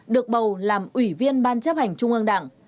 được bầu làm ủy viên ban chấp hành trung ương đảng